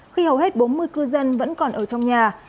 khi hầu hết bốn mươi cư dân vẫn còn ở trong nhà